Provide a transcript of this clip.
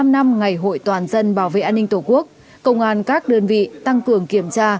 một mươi năm năm ngày hội toàn dân bảo vệ an ninh tổ quốc công an các đơn vị tăng cường kiểm tra